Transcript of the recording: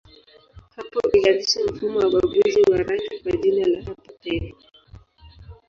Hapo ilianzisha mfumo wa ubaguzi wa rangi kwa jina la apartheid.